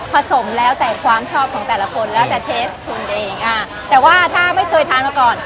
สมแล้วแต่ความชอบของแต่ละคนแล้วแต่เทสคุณเองอ่าแต่ว่าถ้าไม่เคยทานมาก่อน